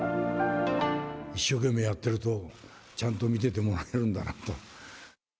一生懸命やってると、ちゃんと見ててもらえるんだなと。